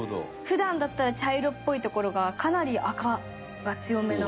普段だったら茶色っぽい所がかなり赤が強めの。